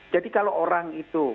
jadi kalau orang itu